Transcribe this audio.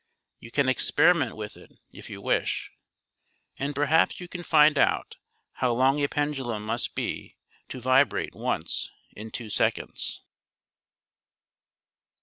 You can experi ment with it if you wish ; and perhaps you can find out how long a i3endulum must be to vibrate once in two seconds.